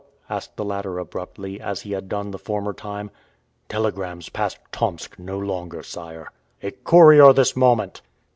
asked the latter abruptly, as he had done the former time. "Telegrams pass Tomsk no longer, sire." "A courier this moment!"